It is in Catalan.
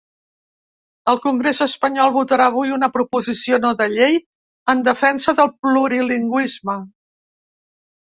El congrés espanyol votarà avui una proposició no de llei en defensa del plurilingüisme.